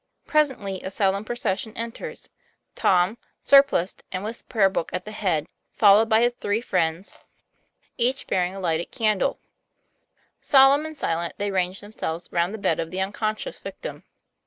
Presently a solemn procession enters. Tom, surpliced, and with prayer book, at the head, followed by his three friends, each bearing a lighted 78 TOM PLA YFAIR. candle. Solemn and silent they range themselves round the bed of the unconscious victim.